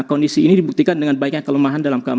kondisi ini dibuktikan dengan baiknya kelemahan dalam keamanan